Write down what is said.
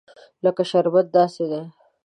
لکه شربت داسې دي.